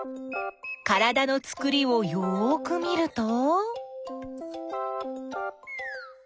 からだのつくりをよく見ると？